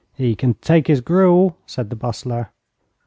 'He can take his gruel,' said the Bustler.